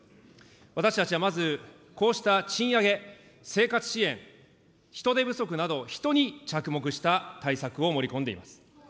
私たちはまず、こうした賃上げ、生活支援、人手不足など、人に着目した対策を盛り込んでいます。